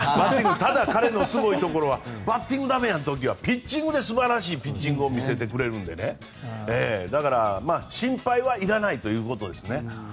ただ彼のすごいところはバッティング駄目な時はピッチングで素晴らしいピッチングを見せてくれるので心配はいらないということですね。